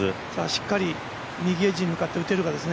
しっかり右エッジに向かって打てるかです。